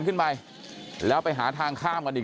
คุณภูริพัฒน์บุญนิน